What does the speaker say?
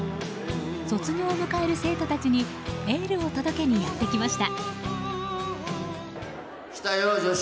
卒業を迎える生徒たちにエールを届けにやってきました。